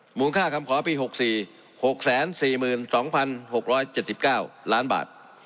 มูลค่าคำขอปี๖๔๖๔๒๖๗๙ล้านบาท